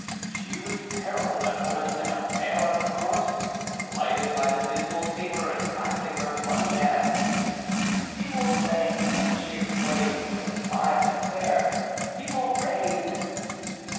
She was terrible, that woman, pale as a corpse, lighted by the dismal taper, and clasping her bloody hands. "He will reign!" she exclaimed with a sigh of despair; "he will reign!"